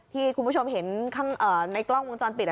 ที่คุณผู้ชมเห็นข้างในกล้องวงจรปิด